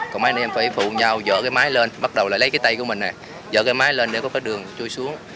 còn mấy anh em phải phụ nhau dỡ cái mái lên bắt đầu là lấy cái tay của mình nè dỡ cái mái lên để có cái đường chui xuống